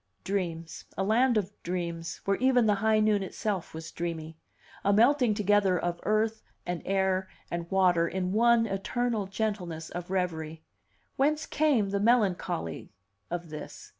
Dreams, a land of dreams, where even the high noon itself was dreamy; a melting together of earth and air and water in one eternal gentleness of revery! Whence came the melancholy of this?